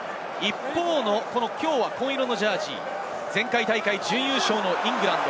きょうは紺色のジャージー、前回大会準優勝のイングランド。